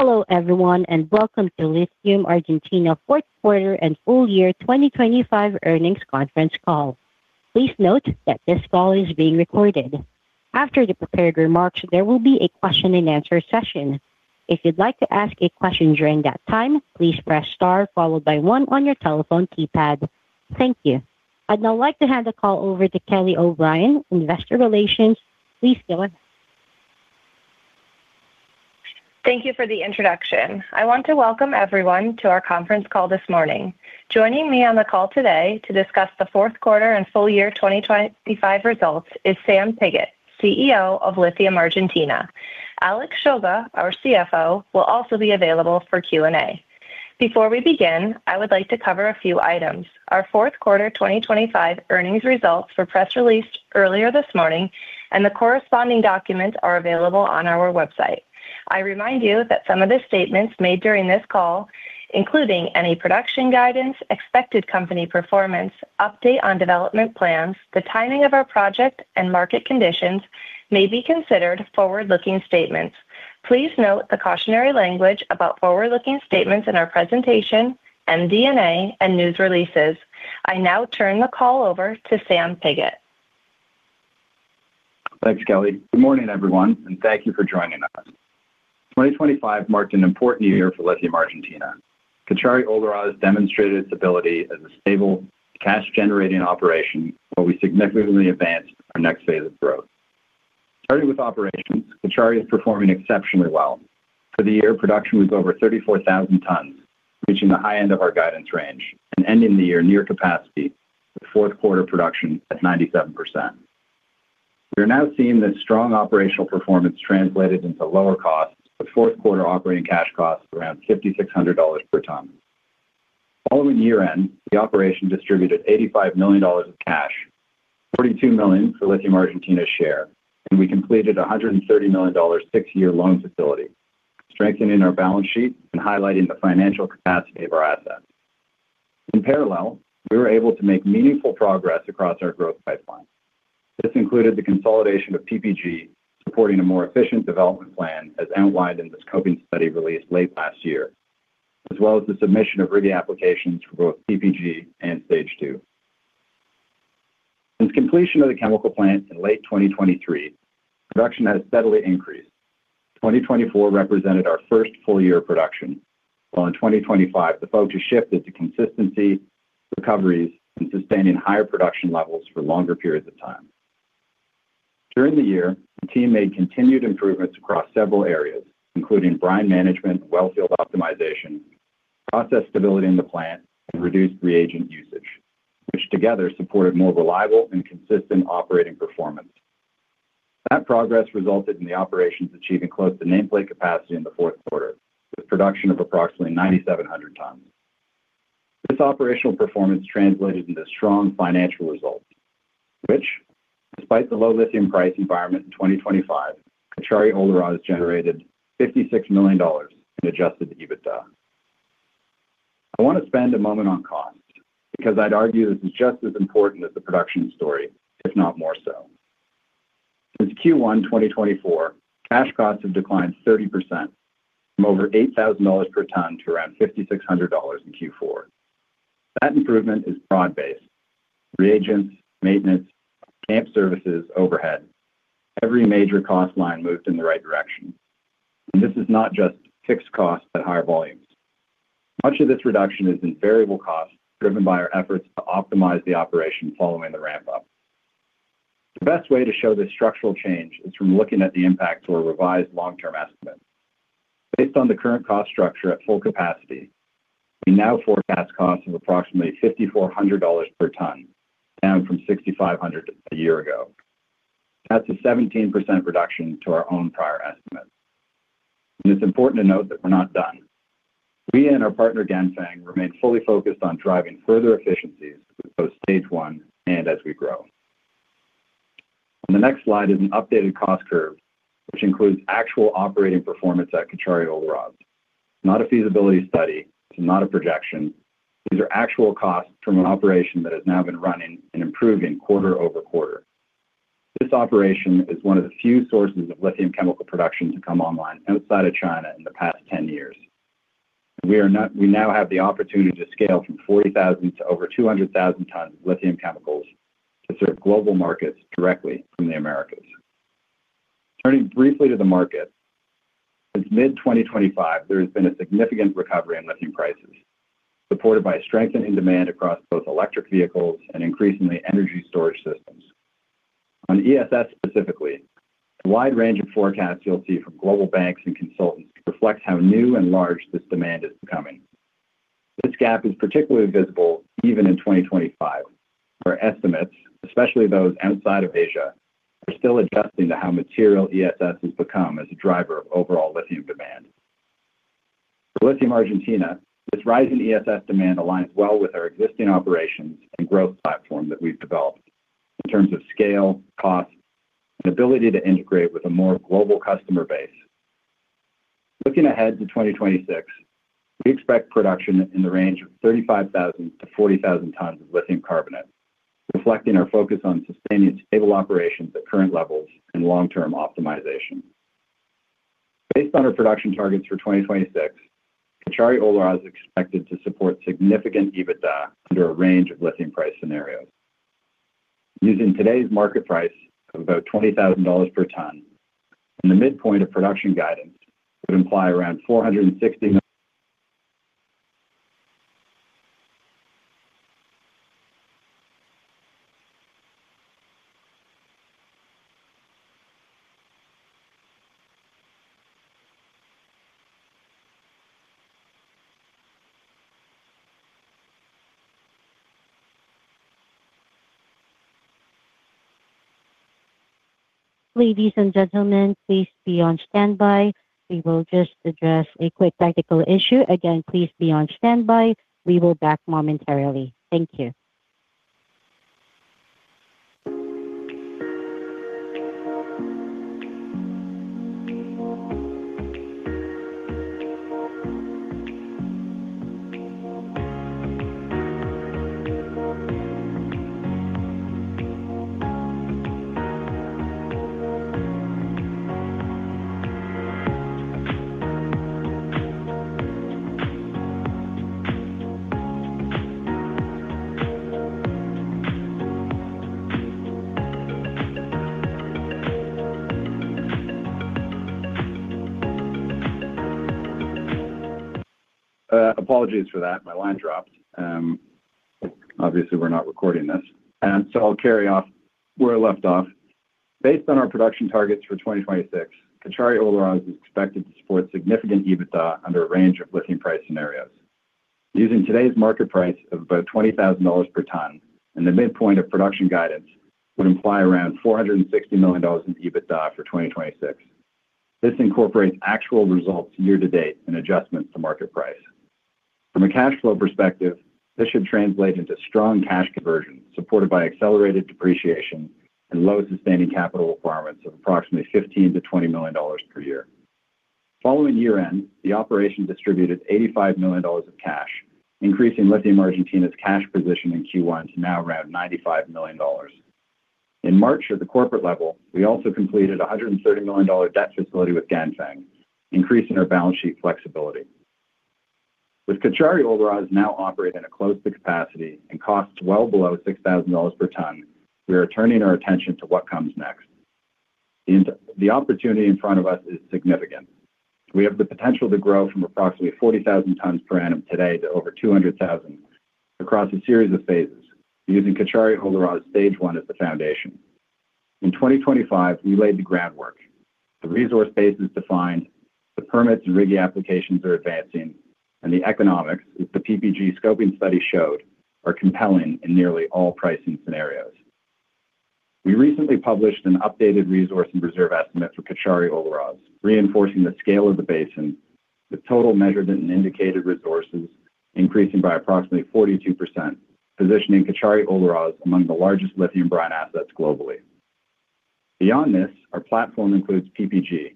Hello everyone, and welcome to Lithium Argentina fourth quarter and full year 2025 earnings conference call. Please note that this call is being recorded. After the prepared remarks, there will be a question and answer session. If you'd like to ask a question during that time, please press star followed by one on your telephone keypad. Thank you. I'd now like to hand the call over to Kelly O'Brien, Investor Relations. Please go on. Thank you for the introduction. I want to welcome everyone to our conference call this morning. Joining me on the call today to discuss the fourth quarter and full year 2025 results is Sam Pigott, CEO of Lithium Argentina. Alex Shulga, our CFO, will also be available for Q&A. Before we begin, I would like to cover a few items. Our fourth quarter 2025 earnings results were press released earlier this morning, and the corresponding documents are available on our website. I remind you that some of the statements made during this call, including any production guidance, expected company performance, update on development plans, the timing of our project and market conditions may be considered forward-looking statements. Please note the cautionary language about forward-looking statements in our presentation, MD&A, and news releases. I now turn the call over to Sam Pigott. Thanks, Kelly. Good morning, everyone, and thank you for joining us. 2025 marked an important year for Lithium Argentina. Caucharí-Olaroz demonstrated its ability as a stable cash generating operation, while we significantly advanced our next phase of growth. Starting with operations, Caucharí-Olaroz is performing exceptionally well. For the year, production was over 34,000 tonnes, reaching the high end of our guidance range and ending the year near capacity with fourth quarter production at 97%. We are now seeing that strong operational performance translated into lower costs, with fourth quarter operating cash costs around $5,600 per ton. Following year-end, the operation distributed $85 million of cash, $42 million for Lithium Argentina's share, and we completed a $130 million six-year loan facility, strengthening our balance sheet and highlighting the financial capacity of our assets. In parallel, we were able to make meaningful progress across our growth pipeline. This included the consolidation of PPG, supporting a more efficient development plan as outlined in the scoping study released late last year, as well as the submission of RIGI applications for both PPG and Stage 2. Since completion of the chemical plant in late 2023, production has steadily increased. 2024 represented our first full year of production. While in 2025 the focus shifted to consistency, recoveries, and sustaining higher production levels for longer periods of time. During the year, the team made continued improvements across several areas, including brine management, wellfield optimization, process stability in the plant, and reduced reagent usage, which together supported more reliable and consistent operating performance. That progress resulted in the operations achieving close to nameplate capacity in the fourth quarter, with production of approximately 9,700 tonnes. This operational performance translated into strong financial results, which, despite the low lithium price environment in 2025, Caucharí-Olaroz generated $56 million in adjusted EBITDA. I want to spend a moment on cost, because I'd argue this is just as important as the production story, if not more so. Since Q1 2024, cash costs have declined 30% from over $8,000 per tonne to around $5,600 in Q4. That improvement is broad-based. Reagents, maintenance, camp services, overhead. Every major cost line moved in the right direction. This is not just fixed costs at higher volumes. Much of this reduction is in variable costs driven by our efforts to optimize the operation following the ramp-up. The best way to show this structural change is from looking at the impact to our revised long-term estimate. Based on the current cost structure at full capacity, we now forecast costs of approximately $5,400 per ton, down from $6,500 a year ago. That's a 17% reduction to our own prior estimates. It's important to note that we're not done. We and our partner Ganfeng remain fully focused on driving further efficiencies with both stage one and as we grow. On the next slide is an updated cost curve, which includes actual operating performance at Caucharí-Olaroz. Not a feasibility study. It's not a projection. These are actual costs from an operation that has now been running and improving quarter-over-quarter. This operation is one of the few sources of lithium chemical production to come online outside of China in the past 10 years. We now have the opportunity to scale from 40,000 tonnes to over 200,000 tonnes of lithium chemicals to serve global markets directly from the Americas. Turning briefly to the market. Since mid-2025, there has been a significant recovery in lithium prices, supported by a strengthening demand across both electric vehicles and increasingly energy storage systems. On ESS specifically, the wide range of forecasts you'll see from global banks and consultants reflects how new and large this demand is becoming. This gap is particularly visible even in 2025, where estimates, especially those outside of Asia, are still adjusting to how material ESS has become as a driver of overall lithium demand. For Lithium Argentina, this rise in ESS demand aligns well with our existing operations and growth platform that we've developed in terms of scale, cost, and ability to integrate with a more global customer base. Looking ahead to 2026, we expect production in the range of 35,000 tonnes-40,000 tonnes of lithium carbonate, reflecting our focus on sustaining stable operations at current levels and long-term optimization. Based on our production targets for 2026, Caucharí-Olaroz is expected to support significant EBITDA under a range of lithium price scenarios. Using today's market price of about $20,000 per tonne and the midpoint of production guidance would imply around $460 million Ladies and gentlemen, please be on standby. We will just address a quick technical issue. Again, please be on standby. We will be back momentarily. Thank you. Apologies for that. My line dropped. Obviously we're not recording this. I'll carry on where I left off. Based on our production targets for 2026, Caucharí-Olaroz is expected to support significant EBITDA under a range of lithium price scenarios. Using today's market price of about $20,000 per ton and the midpoint of production guidance would imply around $460 million in EBITDA for 2026. This incorporates actual results year to date and adjustments to market price. From a cash flow perspective, this should translate into strong cash conversion supported by accelerated depreciation and low sustaining capital requirements of approximately $15 million-$20 million per year. Following year-end, the operation distributed $85 million of cash, increasing Lithium Argentina's cash position in Q1 to now around $95 million. In March, at the corporate level, we also completed a $130 million debt facility with Ganfeng, increasing our balance sheet flexibility. With Caucharí-Olaroz now operating at close to capacity and costs well below $6,000 per ton, we are turning our attention to what comes next. The opportunity in front of us is significant. We have the potential to grow from approximately 40,000 tonnes per annum today to over 200,000 across a series of phases using Caucharí-Olaroz stage one as the foundation. In 2025, we laid the groundwork. The resource base is defined, the permits and RIGI applications are advancing, and the economics, as the PPG scoping study showed, are compelling in nearly all pricing scenarios. We recently published an updated resource and reserve estimate for Caucharí-Olaroz, reinforcing the scale of the basin, with total measured and indicated resources increasing by approximately 42%, positioning Caucharí-Olaroz among the largest lithium brine assets globally. Beyond this, our platform includes PPG,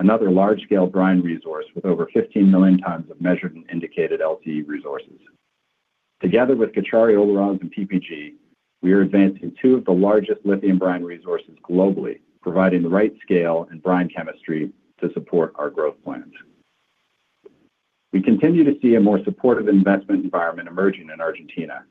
another large-scale brine resource with over 15 million tonnes of measured and indicated LCE resources. Together with Caucharí-Olaroz and PPG, we are advancing two of the largest lithium brine resources globally, providing the right scale and brine chemistry to support our growth plans. We continue to see a more supportive investment environment emerging in Argentina,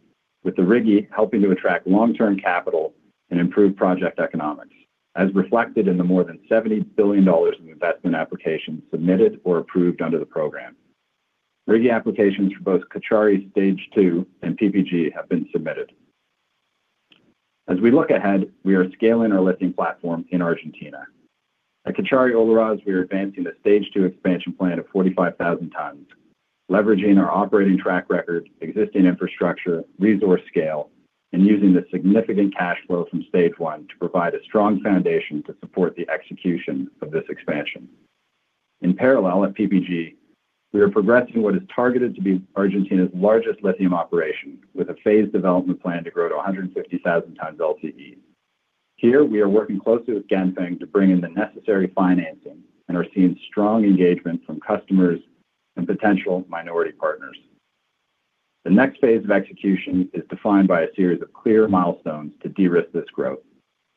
with the RIGI helping to attract long-term capital and improve project economics, as reflected in the more than $70 billion in investment applications submitted or approved under the program. RIGI applications for both Caucharí-Olaroz Stage 2 and PPG have been submitted. As we look ahead, we are scaling our lithium platform in Argentina. At Caucharí-Olaroz, we are advancing the Stage 2 expansion plan of 45,000 tonnes, leveraging our operating track record, existing infrastructure, resource scale, and using the significant cash flow from stage one to provide a strong foundation to support the execution of this expansion. In parallel, at PPG, we are progressing what is targeted to be Argentina's largest lithium operation, with a phased development plan to grow to 150,000 tonnes LCE. Here we are working closely with Ganfeng to bring in the necessary financing and are seeing strong engagement from customers and potential minority partners. The next phase of execution is defined by a series of clear milestones to de-risk this growth,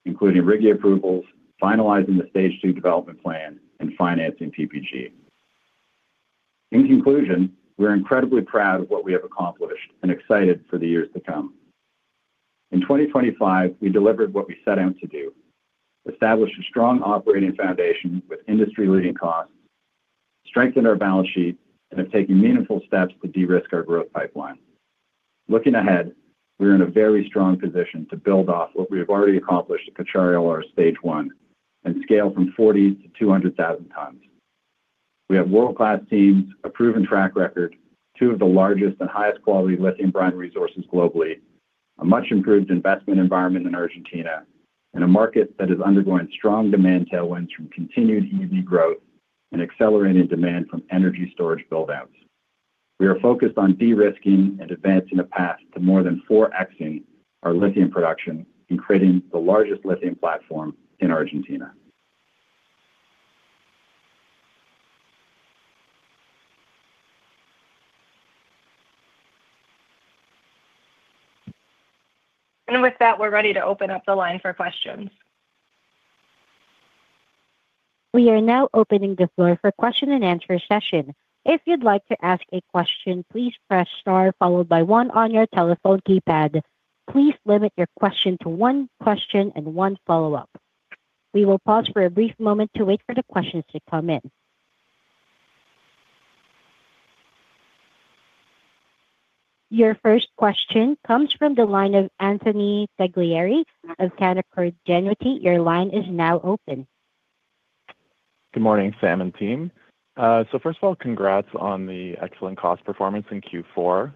including RIGI approvals, finalizing the stage two development plan, and financing PPG. In conclusion, we're incredibly proud of what we have accomplished and excited for the years to come. In 2025, we delivered what we set out to do, establish a strong operating foundation with industry-leading costs, strengthen our balance sheet, and have taken meaningful steps to de-risk our growth pipeline. Looking ahead, we are in a very strong position to build off what we have already accomplished at Caucharí-Olaroz Stage 1 and scale from 40,000 tonnes-200,000 tonnes. We have world-class teams, a proven track record, two of the largest and highest quality lithium brine resources globally, a much improved investment environment in Argentina, and a market that is undergoing strong demand tailwinds from continued EV growth and accelerated demand from energy storage build-outs. We are focused on de-risking and advancing a path to more than forecasting our lithium production and creating the largest lithium platform in Argentina. With that, we're ready to open up the line for questions. We are now opening the floor for question and answer session. If you'd like to ask a question, please press star followed by one on your telephone keypad. Please limit your question to one question and one follow-up. We will pause for a brief moment to wait for the questions to come in. Your first question comes from the line of Anthony Taglieri of Canaccord Genuity. Your line is now open. Good morning, Sam and team. First of all, congrats on the excellent cost performance in Q4.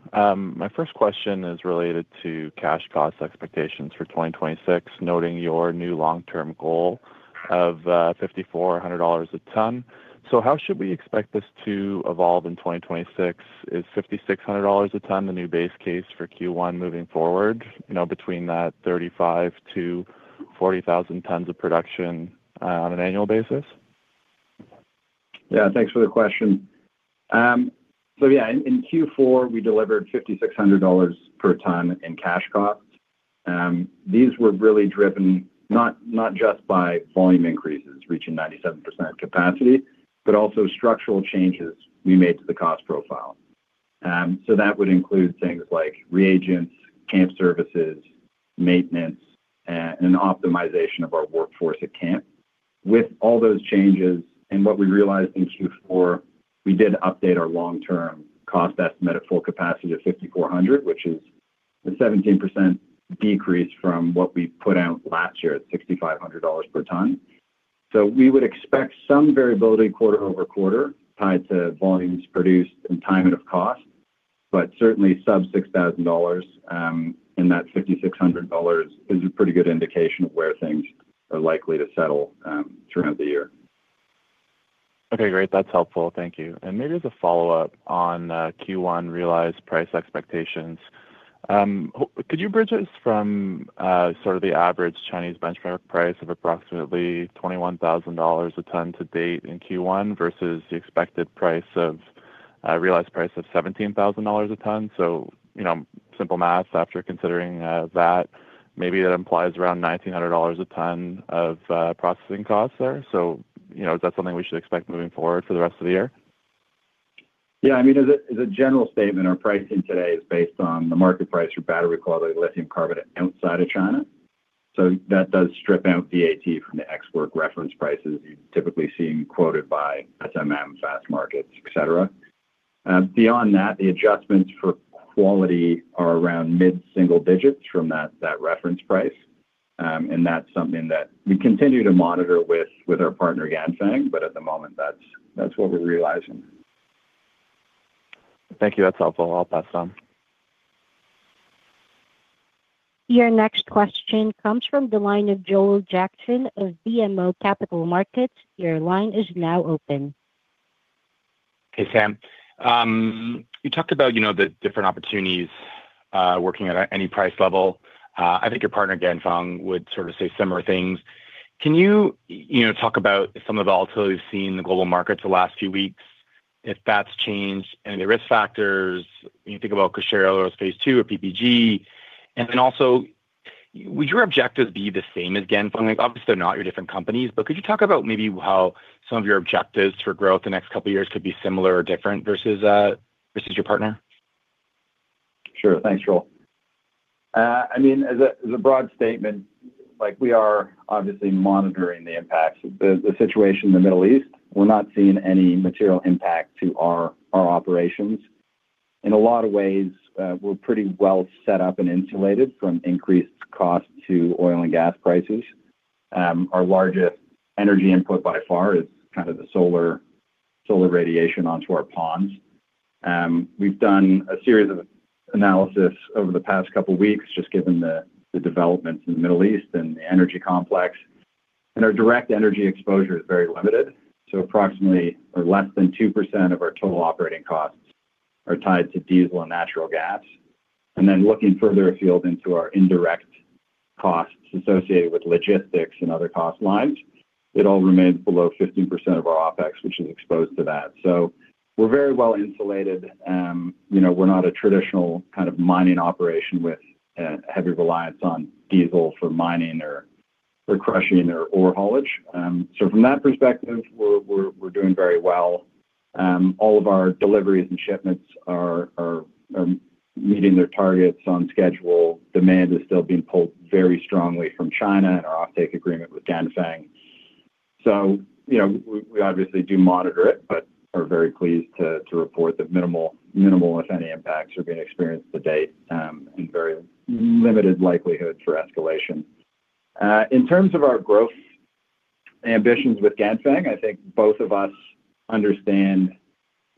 My first question is related to cash cost expectations for 2026, noting your new long-term goal of $5,400 a ton. How should we expect this to evolve in 2026? Is $5,600 a tonne the new base case for Q1 moving forward between that 35,000 tonnes-40,000 tonnes of production on an annual basis? Yeah. Thanks for the question. In Q4, we delivered $5,600 per tonne in cash cost. These were really driven not just by volume increases reaching 97% capacity, but also structural changes we made to the cost profile. That would include things like reagents, camp services, maintenance, and optimization of our workforce at camp. With all those changes and what we realized in Q4, we did update our long-term cost estimate at full capacity of $5,400, which is a 17% decrease from what we put out last year at $6,500 per tonne. We would expect some variability quarter-over-quarter tied to volumes produced and timing of cost, but certainly sub $6,000. In that $5,600 is a pretty good indication of where things are likely to settle throughout the year. Okay, great. That's helpful. Thank you. Maybe as a follow-up on Q1 realized price expectations, could you bridge us from sort of the average Chinese benchmark price of approximately $21,000 a tonne to date in Q1 versus the expected realized price of $17,000 a tonne? Simple math after considering that maybe that implies around $1,900 a tonne of processing costs there. Is that something we should expect moving forward for the rest of the year? Yeah. I mean, as a general statement, our pricing today is based on the market price for battery quality lithium carbonate outside of China. That does strip out VAT from the ex-work reference prices you're typically seeing quoted by SMM, Fastmarkets, et cetera. Beyond that, the adjustments for quality are around mid-single digits from that reference price. That's something that we continue to monitor with our partner Ganfeng, but at the moment, that's what we're realizing. Thank you. That's helpful. I'll pass on. Your next question comes from the line of Joel Jackson of BMO Capital Markets. Your line is now open. Hey, Sam. You talked about the different opportunities working at any price level. I think your partner Ganfeng would sort of say similar things. Can you talk about some of the volatility we've seen in the global markets the last few weeks, if that's changed any of the risk factors when you think about Caucharí-Olaroz Phase 2 or PPG? And then also, would your objectives be the same as Ganfeng? Like, obviously they're not, you're different companies, but could you talk about maybe how some of your objectives for growth the next couple of years could be similar or different versus your partner? Sure. Thanks, Joel. I mean, as a broad statement, like, we are obviously monitoring the impacts of the situation in the Middle East. We're not seeing any material impact to our operations. In a lot of ways, we're pretty well set up and insulated from increased cost to oil and gas prices. Our largest energy input by far is kind of the solar radiation onto our ponds. We've done a series of analysis over the past couple of weeks just given the developments in the Middle East and the energy complex. Our direct energy exposure is very limited, so approximately or less than 2% of our total operating costs are tied to diesel and natural gas. Then looking further afield into our indirect costs associated with logistics and other cost lines, it all remains below 15% of our OpEx, which is exposed to that. We're very well insulated. We're not a traditional kind of mining operation with a heavy reliance on diesel for mining or crushing or ore haulage. From that perspective, we're doing very well. All of our deliveries and shipments are meeting their targets on schedule. Demand is still being pulled very strongly from China in our offtake agreement with Ganfeng. We obviously do monitor it, but are very pleased to report that minimal, if any impacts are being experienced to date, and very limited likelihood for escalation. In terms of our growth ambitions with Ganfeng, I think both of us understand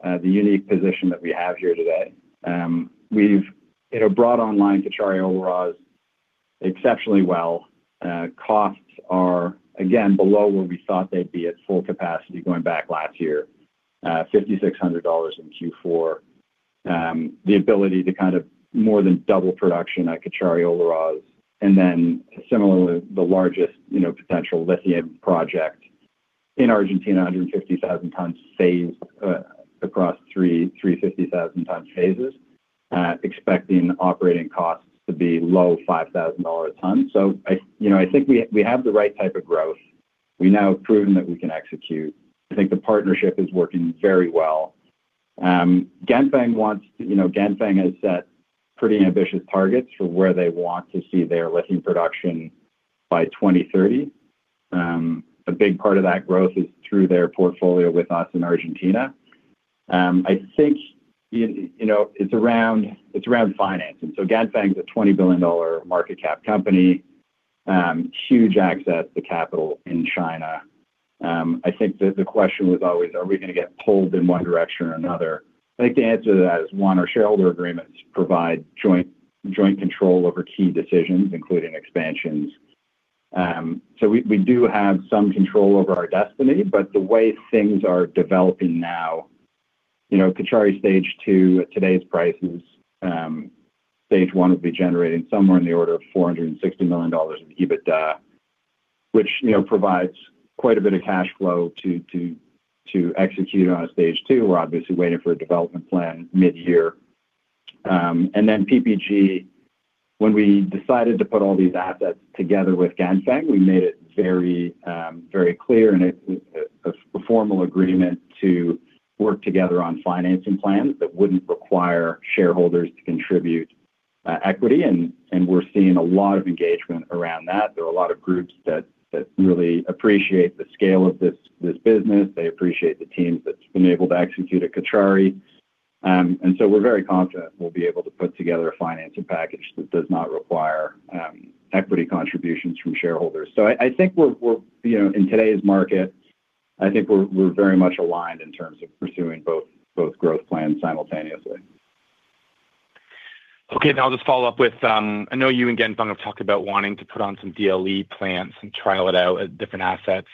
the unique position that we have here today. We've brought it online Caucharí-Olaroz exceptionally well. Costs are again below where we thought they'd be at full capacity going back last year, $5,600 in Q4. The ability to kind of more than double production at Caucharí-Olaroz. Then similarly, the largest potential lithium project in Argentina, 150,000 tonnes phased across three 350,000-tonne phases, expecting operating costs to be low $5,000 a tonne. I think we have the right type of growth. We now have proven that we can execute. I think the partnership is working very well. Ganfeng has set pretty ambitious targets for where they want to see their lithium production by 2030. A big part of that growth is through their portfolio with us in Argentina. I think it's around financing. Ganfeng is a $20 billion market cap company. Huge access to capital in China. I think the question was always are we gonna get pulled in one direction or another? I think the answer to that is our shareholder agreements provide joint control over key decisions, including expansions. We do have some control over our destiny, but the way things are developing now, Caucharí-Olaroz Stage 2 at today's prices, stage one would be generating somewhere in the order of $460 million of EBITDA, which provides quite a bit of cash flow to execute on a stage two. We're obviously waiting for a development plan mid-year. PPG, when we decided to put all these assets together with Ganfeng, we made it very clear and it's a formal agreement to work together on financing plans that wouldn't require shareholders to contribute equity. We're seeing a lot of engagement around that. There are a lot of groups that really appreciate the scale of this business. They appreciate the team that's been able to execute at Caucharí-Olaroz. We're very confident we'll be able to put together a financing package that does not require equity contributions from shareholders. I think we're in today's market, I think we're very much aligned in terms of pursuing both growth plans simultaneously. Okay. Now I'll just follow up with, I know you and Ganfeng have talked about wanting to put on some DLE plants and trial it out at different assets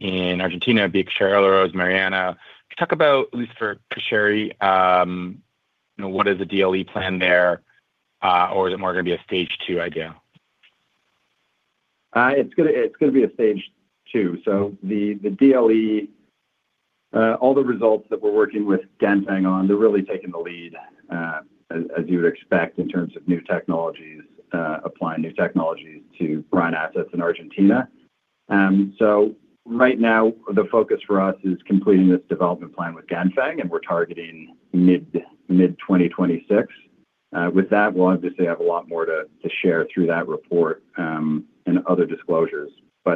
in Argentina, be it Caucharí-Olaroz, Mariana. Can you talk about at least for Caucharí-Olaroz,, what is the DLE plan there? Or is it more gonna be a stage two idea? It's gonna be a stage two. The DLE, all the results that we're working with Ganfeng on, they're really taking the lead, as you would expect in terms of new technologies, applying new technologies to brine assets in Argentina. Right now the focus for us is completing this development plan with Ganfeng, and we're targeting mid-2026. With that, we'll obviously have a lot more to share through that report, and other disclosures. I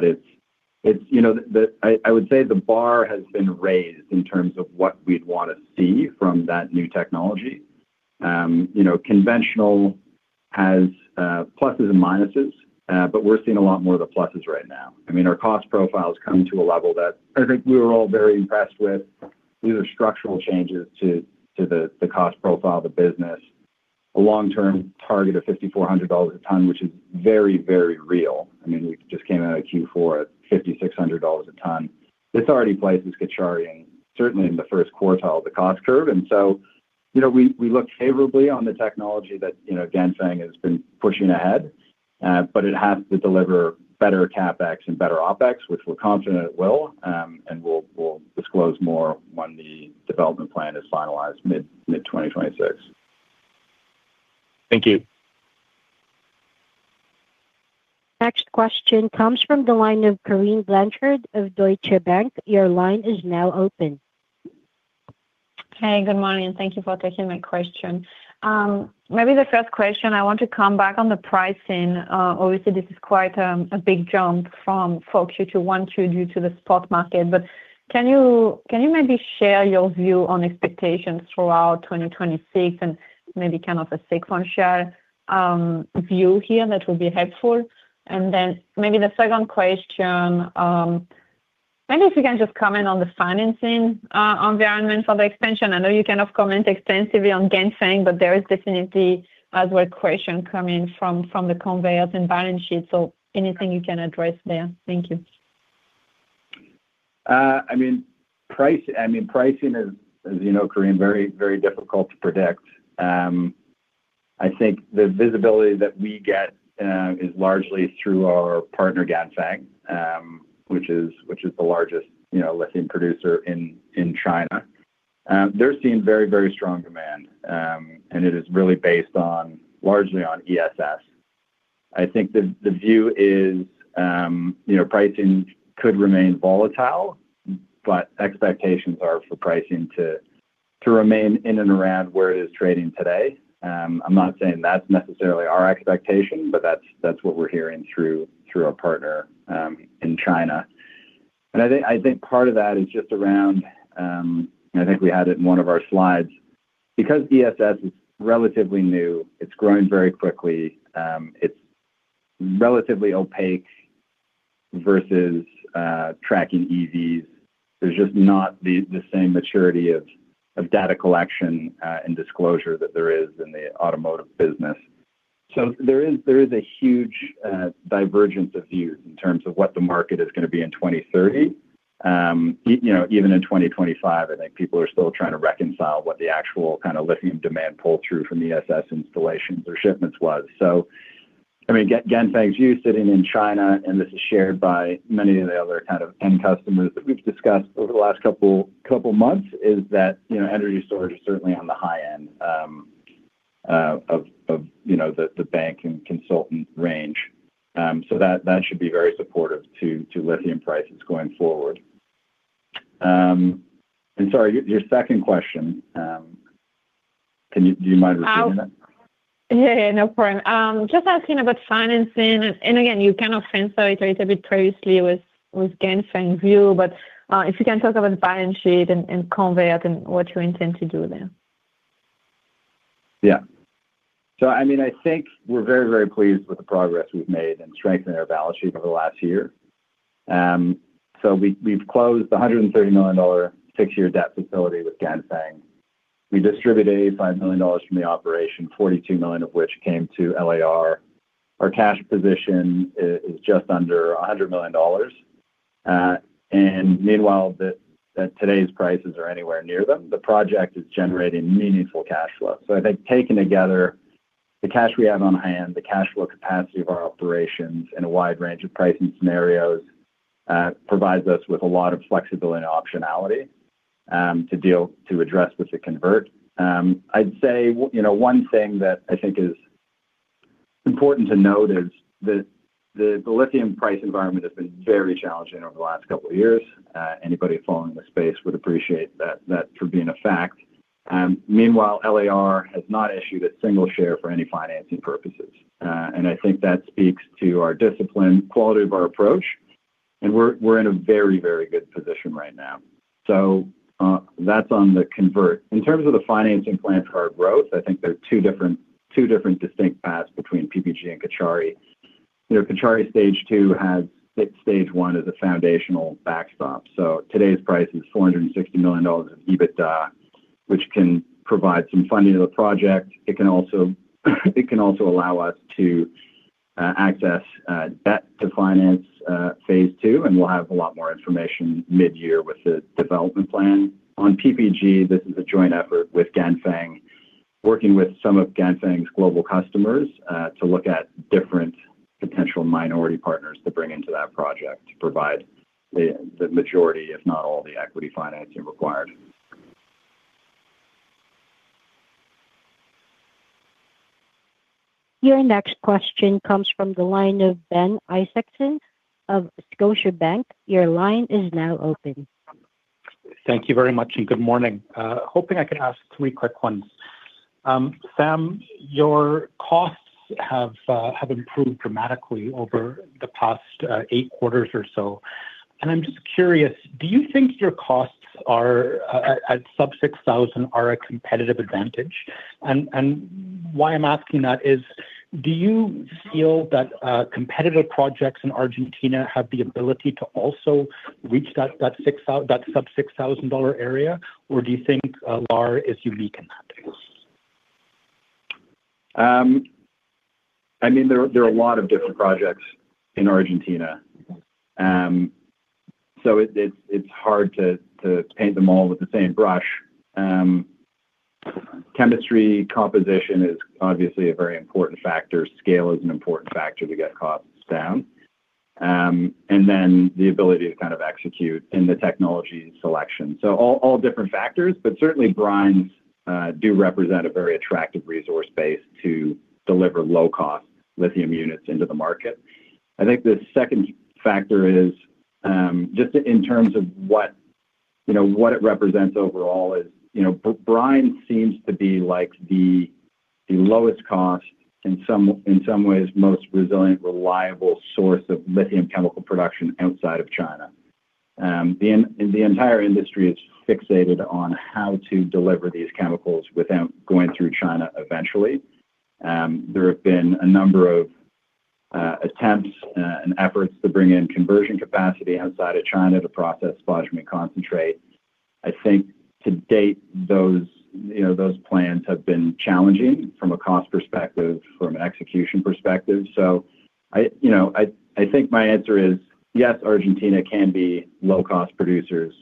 would say the bar has been raised in terms of what we'd wanna see from that new technology. Conventional has pluses and minuses, but we're seeing a lot more of the pluses right now. I mean, our cost profile has come to a level that I think we were all very impressed with. These are structural changes to the cost profile of the business. A long-term target of $5,400 a tonne, which is very, very real. I mean, we just came out of Q4 at $5,600 a tonne. This already places Caucharí-Olaroz in certainly in the first quartile of the cost curve. We look favorably on the technology that Ganfeng has been pushing ahead, but it has to deliver better CapEx and better OpEx, which we're confident it will. We'll disclose more when the development plan is finalized mid-2026. Thank you. Next question comes from the line of Corinne Blanchard of Deutsche Bank. Your line is now open. Hey, good morning, and thank you for taking my question. Maybe the first question, I want to come back on the pricing. Obviously this is quite a big jump from Q2 2021 to Q2 due to the spot market. Can you maybe share your view on expectations throughout 2026 and maybe kind of a base case scenario view here that would be helpful? Then maybe the second question, maybe if you can just comment on the financing environment for the expansion. I know you cannot comment extensively on Ganfeng, but there is definitely as well question coming from the investors and balance sheet. Anything you can address there. Thank you. I mean, pricing is, Corinne, very, very difficult to predict. I think the visibility that we get is largely through our partner Ganfeng, which is the largest lithium producer in China. They're seeing very, very strong demand. It is really based largely on ESS. I think the view is pricing could remain volatile, but expectations are for pricing to remain in and around where it is trading today. I'm not saying that's necessarily our expectation, but that's what we're hearing through our partner in China. I think part of that is just around, and I think we had it in one of our slides, because ESS is relatively new, it's growing very quickly. It's relatively opaque versus tracking EVs. There's just not the same maturity of data collection and disclosure that there is in the automotive business. There is a huge divergence of views in terms of what the market is going to be in 2030. Even in 2025, I think people are still trying to reconcile what the actual kind of lithium demand pull through from the ESS installations or shipments was. I mean, Ganfeng's view, sitting in China, and this is shared by many of the other kind of end customers that we've discussed over the last couple months, is that energy storage is certainly on the high end of the bank and consultant range. That should be very supportive to lithium prices going forward. Sorry, your second question. Do you mind repeating it? Yeah, no problem. Just asking about financing. Again, you kind of fenced a little bit previously with Ganfeng's view. If you can talk about balance sheet and convertibles and what you intend to do there. Yeah. I mean, I think we're very, very pleased with the progress we've made in strengthening our balance sheet over the last year. We've closed the $130 million six-year debt facility with Ganfeng. We distributed $85 million from the operation, $42 million of which came to LAR. Our cash position is just under $100 million. Meanwhile, today's prices aren't anywhere near them. The project is generating meaningful cash flow. I think taken together, the cash we have on hand, the cash flow capacity of our operations in a wide range of pricing scenarios provides us with a lot of flexibility and optionality to address the convertible. I'd say, one thing that I think is important to note is the lithium price environment has been very challenging over the last couple of years. Anybody following the space would appreciate that for being a fact. Meanwhile, LAR has not issued a single share for any financing purposes. And I think that speaks to our discipline, quality of our approach, and we're in a very good position right now. That's on the convert. In terms of the financing plans for our growth, I think there are two different distinct paths between PPG and Caucharí-Olaroz. Caucharí-Olaroz Stage 2 has Stage 1 as a foundational backstop. So today's price is $460 million of EBITDA, which can provide some funding to the project. It can also allow us to access debt to finance phase two, and we'll have a lot more information mid-year with the development plan. On PPG, this is a joint effort with Ganfeng, working with some of Ganfeng's global customers to look at different potential minority partners to bring into that project to provide the majority, if not all the equity financing required. Your next question comes from the line of Ben Isaacson of Scotiabank. Your line is now open. Thank you very much, and good morning. Hoping I could ask three quick ones. Sam, your costs have improved dramatically over the past eight quarters or so. I'm just curious, do you think your costs are at sub-$6,000 a competitive advantage? Why I'm asking that is, do you feel that competitive projects in Argentina have the ability to also reach that sub-$6,000 area? Or do you think LAR is unique in that space? I mean, there are a lot of different projects in Argentina. It's hard to paint them all with the same brush. Chemistry composition is obviously a very important factor. Scale is an important factor to get costs down. The ability to kind of execute in the technology selection. All different factors, but certainly brines do represent a very attractive resource base to deliver low cost lithium units into the market. I think the second factor is just in terms of what it represents overall is brine seems to be like the lowest cost in some ways most resilient reliable source of lithium chemical production outside of China. The entire industry is fixated on how to deliver these chemicals without going through China eventually. There have been a number of attempts and efforts to bring in conversion capacity outside of China to process spodumene concentrate. I think to date, those plans have been challenging from a cost perspective, from an execution perspective. I think my answer is yes, Argentina can be low-cost producers.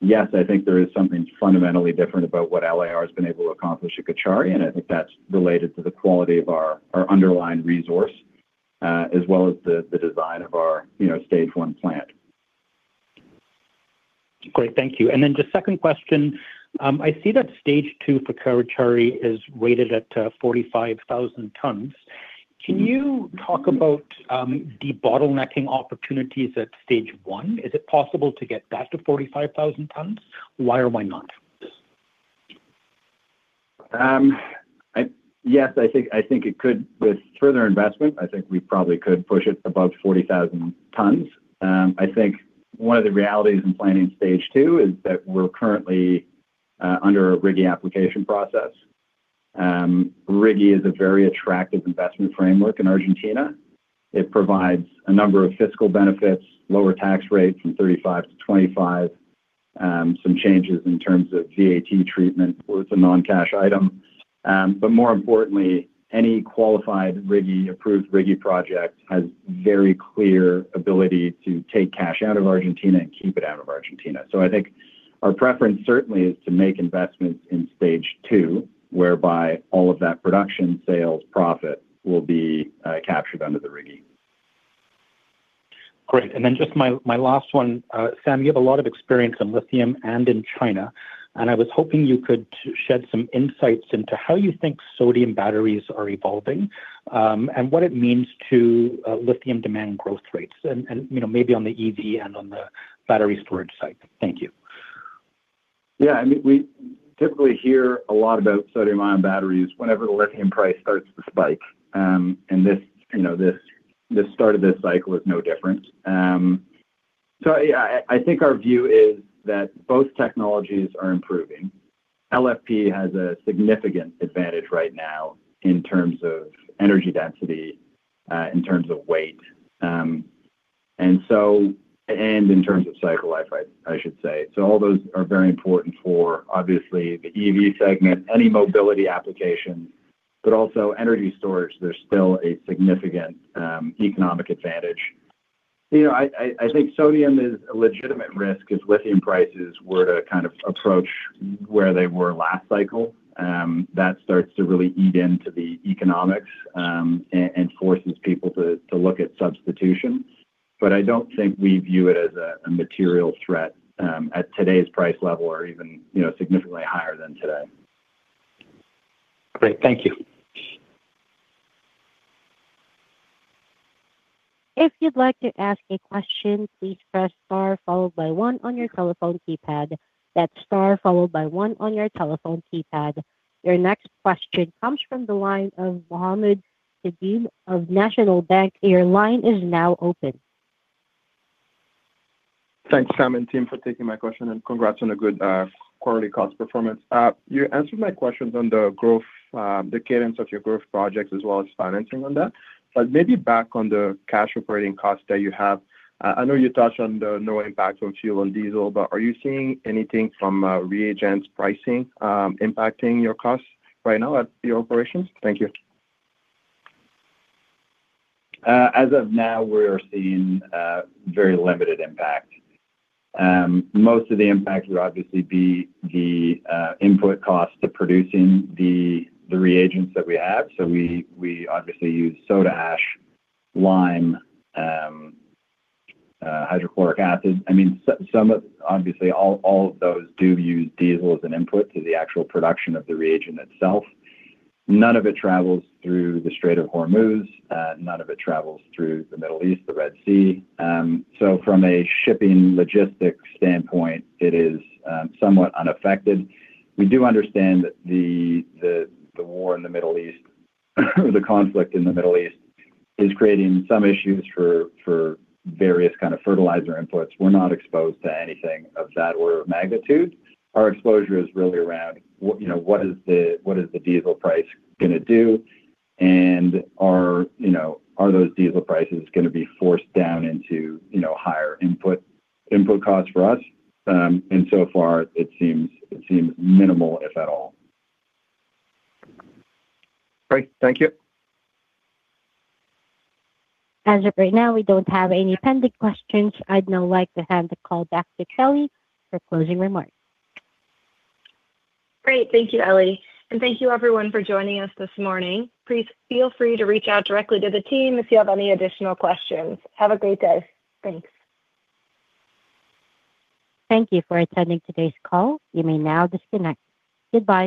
Yes, I think there is something fundamentally different about what LAR has been able to accomplish at Caucharí-Olaroz, and I think that's related to the quality of our underlying resource, as well as the design of our Stage 1 plant. Great. Thank you. The second question, I see that stage two for Caucharí-Olaroz is rated at 45,000 tonnes. Can you talk about the bottlenecking opportunities at Stage 1? Is it possible to get that to 45,000 tonnes? Why or why not? Yes, I think with further investment, I think we probably could push it above 40,000 tonnes. I think one of the realities in planning stage two is that we're currently under a RIGI application process. RIGI is a very attractive investment framework in Argentina. It provides a number of fiscal benefits, lower tax rates from 35% to 25%. Some changes in terms of VAT treatment was a non-cash item. But more importantly, any qualified RIGI, approved RIGI project has very clear ability to take cash out of Argentina and keep it out of Argentina. I think our preference certainly is to make investments in stage two, whereby all of that production, sales, profit will be captured under the RIGI. Great. Just my last one. Sam, you have a lot of experience in lithium and in China, and I was hoping you could shed some insights into how you think sodium batteries are evolving, and what it means to lithium demand growth rates and maybe on the EV and on the battery storage side. Thank you. Yeah. I mean, we typically hear a lot about sodium-ion batteries whenever the lithium price starts to spike. This start of this cycle is no different. Yeah, I think our view is that both technologies are improving. LFP has a significant advantage right now in terms of energy density, in terms of weight, and in terms of cycle life, I should say. All those are very important for obviously the EV segment, any mobility application, but also energy storage. There's still a significant economic advantage. I think sodium is a legitimate risk if lithium prices were to kind of approach where they were last cycle. That starts to really eat into the economics, and forces people to look at substitution. I don't think we view it as a material threat at today's price level or even significantly higher than today. Great. Thank you. Your next question comes from the line of Mohamed Sidibé of National Bank. Your line is now open. Thanks, Sam and team, for taking my question and congrats on a good quarterly cost performance. You answered my questions on the growth, the cadence of your growth projects as well as financing on that. Maybe back on the cash operating cost that you have. I know you touched on the no impact on fuel and diesel, but are you seeing anything from reagents pricing impacting your costs right now at your operations? Thank you. As of now, we're seeing very limited impact. Most of the impact would obviously be the input cost to producing the reagents that we have. We obviously use soda ash, lime, hydrochloric acid. I mean, obviously, all of those do use diesel as an input to the actual production of the reagent itself. None of it travels through the Strait of Hormuz. None of it travels through the Middle East, the Red Sea. From a shipping logistics standpoint, it is somewhat unaffected. We do understand that the war in the Middle East, the conflict in the Middle East is creating some issues for various kind of fertilizer inputs. We're not exposed to anything of that order of magnitude. Our exposure is really around what is the diesel price gonna do, and are those diesel prices gonna be forced down into higher input costs for us. So far it seems minimal, if at all. Great. Thank you. As of right now, we don't have any pending questions. I'd now like to hand the call back to Kelly for closing remarks. Great. Thank you, Ellie. Thank you everyone for joining us this morning. Please feel free to reach out directly to the team if you have any additional questions. Have a great day. Thanks. Thank you for attending today's call. You may now disconnect. Goodbye.